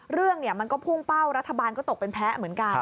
เรื่องมันก็พุ่งเป้ารัฐบาลก็ตกเป็นแพ้เหมือนกัน